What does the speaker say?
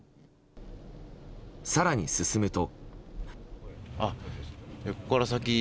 更に進むと。